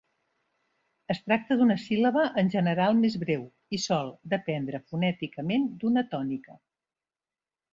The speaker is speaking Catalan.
Es tracta d'una síl·laba en general més breu i sol dependre fonèticament d'una tònica.